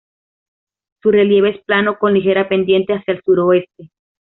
Su relieve es plano con ligera pendiente hacia el suroeste.